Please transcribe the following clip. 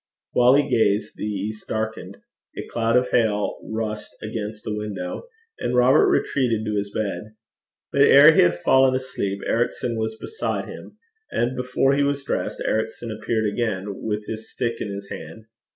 While he gazed, the east darkened; a cloud of hail rushed against the window; and Robert retreated to his bed. But ere he had fallen asleep, Ericson was beside him; and before he was dressed, Ericson appeared again, with his stick in his hand.